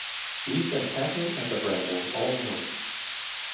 We've been hacking at the brambles all morning.